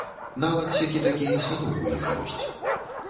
Нават сякі-такі й садок у іх ёсць.